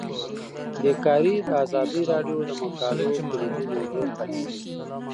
بیکاري د ازادي راډیو د مقالو کلیدي موضوع پاتې شوی.